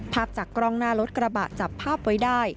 ภาพจากกล้องหน้ารถกระบะจับภาพไว้ได้